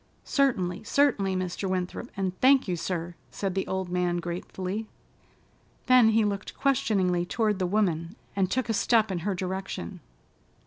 "Certainly, certainly, Mr. Winthrop, and thank you, sir," said the old man gratefully. Then he looked questioningly toward the woman, and took a step in her direction.